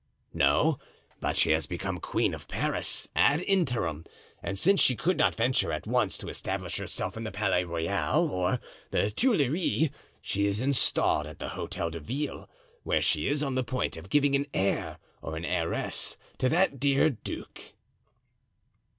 "No; but she has become queen of Paris, ad interim, and since she could not venture at once to establish herself in the Palais Royal or the Tuileries, she is installed at the Hotel de Ville, where she is on the point of giving an heir or an heiress to that dear duke."